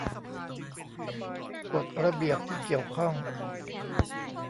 กฎระเบียบที่เกี่ยวข้อง